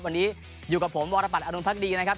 วันนี้อยู่กับผมวรบัตรอรุณพักดีนะครับ